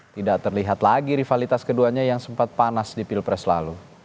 tidak terlihat lagi rivalitas keduanya yang sempat panas di pilpres lalu